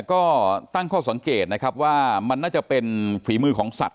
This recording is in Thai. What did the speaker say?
ก็ตั้งข้อสังเกตนะครับว่ามันน่าจะเป็นฝีมือของสัตว